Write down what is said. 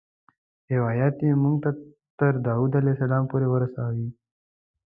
روایت یې موږ تر داود علیه السلام پورې ورسوي.